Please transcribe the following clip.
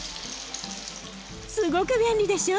すごく便利でしょ？